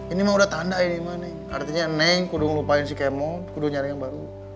ini mah udah tanda ini mah nih artinya neng kudung lupain si kemo kudu nyari yang baru